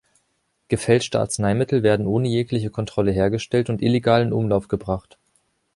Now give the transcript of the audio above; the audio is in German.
Gefälschte Arzneimittel werden ohne jegliche Kontrolle hergestellt und illegal in Umlauf gebracht.